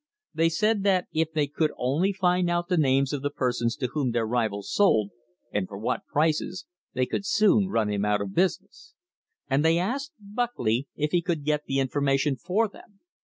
They said that if they could only find out the names of the persons to whom their rival sold, and for what prices, they could soon run him out of business I And they asked Buckley if he could not get the information for them.